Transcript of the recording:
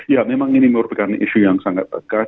ya memang ini merupakan isu yang sangat tegas